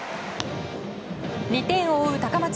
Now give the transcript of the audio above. ２点を追う高松